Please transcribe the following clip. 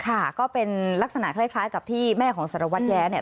ค่ะก็เป็นลักษณะคล้ายกับที่แม่ของสารวัตรแย้เนี่ย